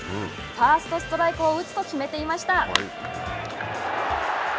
ファーストストライクを打つと決めていました。